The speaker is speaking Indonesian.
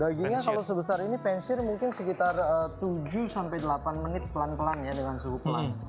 dagingnya kalau sebesar ini pensire mungkin sekitar tujuh sampai delapan menit pelan pelan ya dengan suhu pelan